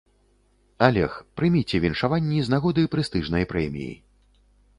Алег, прыміце віншаванні з нагоды прэстыжнай прэміі.